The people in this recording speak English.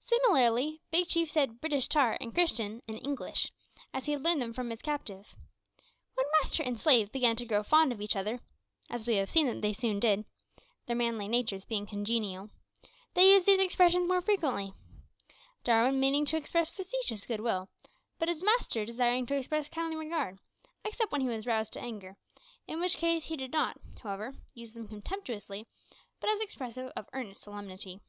Similarly, Big Chief said "Breetish tar" and "Christian" in English, as he had learned them from his captive. When master and slave began to grow fond of each other as we have seen that they soon did, their manly natures being congenial they used these expressions more frequently: Jarwin meaning to express facetious goodwill, but his master desiring to express kindly regard, except when he was roused to anger, in which case he did not, however, use them contemptuously, but as expressive of earnest solemnity.